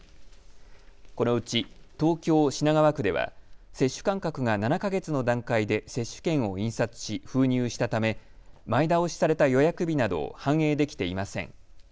このうち東京品川区では接種間隔が７か月の段階で接種券を印刷し、封入したため前倒しされた予約日などを反映できていません。